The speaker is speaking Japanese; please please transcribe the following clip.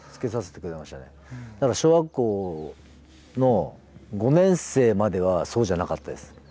小学校の５年生まではそうじゃなかったです。